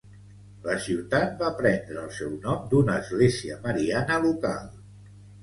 La ciutat va prendre el seu nom d'una església mariana local.